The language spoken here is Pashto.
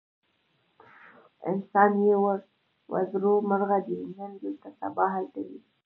انسان بې وزرو مرغه دی، نن دلته سبا هلته وي.